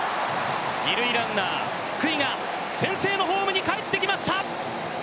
二塁ランナーが先制のホームに帰ってきました！